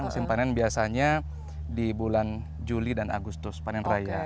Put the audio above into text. musim panen biasanya di bulan juli dan agustus panen raya